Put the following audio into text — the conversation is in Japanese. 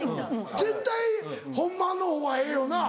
絶対ホンマのほうがええよな。